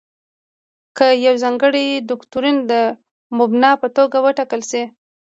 که یو ځانګړی دوکتورین د مبنا په توګه وټاکل شي.